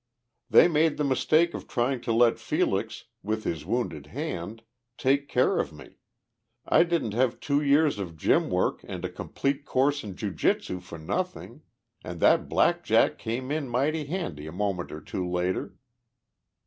"They made the mistake of trying to let Felix, with his wounded hand, take care of me. I didn't have two years of gym work and a complete course in jiu jitsu for nothing, and that blackjack came in mighty handy a moment or two later.